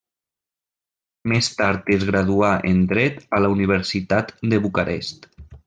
Més tard es graduà en dret a la Universitat de Bucarest.